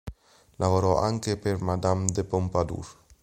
Lavorò anche per Madame de Pompadour.